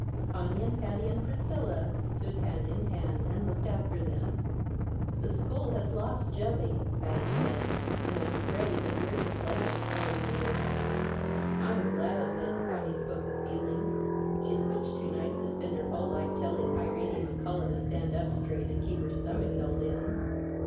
Conny and Patty and Priscilla stood hand in hand and looked after them. "The school has lost Jelly!" Patty said, "and I'm afraid that we're to blame, Con, dear." "I'm glad of it!" Conny spoke with feeling. "She's much too nice to spend her whole life telling Irene McCullough to stand up straight and keep her stomach held in."